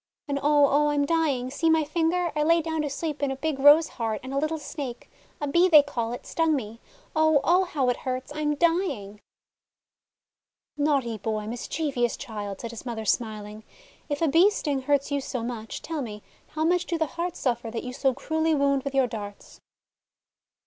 "And — oh !— oh — I 'm dying ! See my finger ! I lay down to sleep in a big Rose heart, and a little Snake — a Bee they call it — stung me! Oh !— oh how it hurts ! 1 'm dying !' 'Naughty boy, mischievous child," said his mother, smiling, :<if a Bee's sting hurts you so much, tell me, how much do the hearts suffer that you so cruelly wound with your darts?'